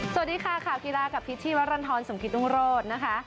สวัสดีค่ะข่าวกีฬากับพิษชีวรรณฑรสมกิตรุงโรธนะคะ